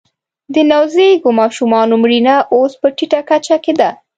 د نوزیږو ماشومانو مړینه اوس په ټیټه کچه کې ده